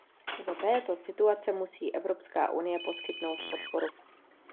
Za této situace musí Evropská unie poskytnout podporu.